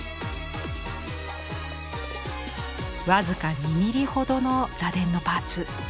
僅か２ミリほどの螺鈿のパーツ。